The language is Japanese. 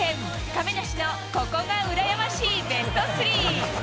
亀梨のここがうらやましいベスト３。